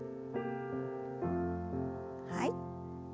はい。